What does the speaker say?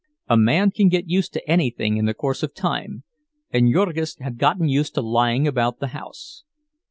A man can get used to anything in the course of time, and Jurgis had gotten used to lying about the house.